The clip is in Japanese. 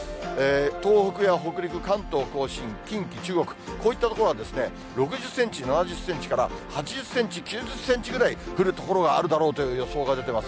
東北や北陸、関東甲信、近畿、中国、こういった所は、６０せんち７０センチから８０センチ、９０センチぐらい、降る所があるだろうという予想が出てます。